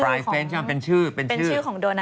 อันนี้เป็นชื่อของเป็นชื่อของโดนัท